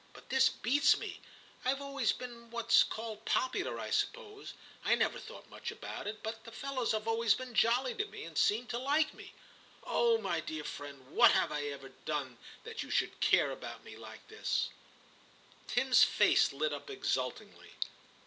But this beats me ; IVe always been what's called popular, I suppose. I never thought much about it, but fellows have always been jolly to me, and seemed to like me. Oh ! my dear friend, what have I ever done that you should care about me like this r Tim s face lit up exultingly.